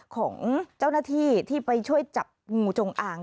ของเจ้าหน้าที่ที่ไปช่วยจับงูจงอาง